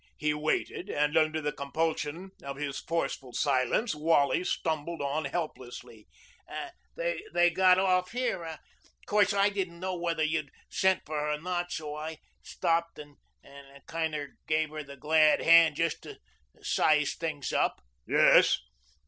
He waited, and under the compulsion of his forceful silence Wally stumbled on helplessly. " They got off here. 'Course I didn't know whether you'd sent for her or not, so I stopped and kinder gave her the glad hand just to size things up." "Yes."